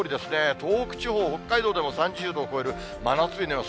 東北地方、北海道でも３０度を超える真夏日の予想。